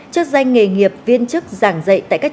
chức danh nghề nghiệp viên chức giảng dạy tại các trường